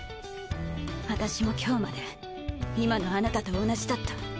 私も今日まで今のあなたと同じだった。